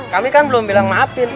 kami kan belum bilang maafin